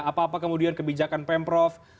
apa apa kemudian kebijakan pemprov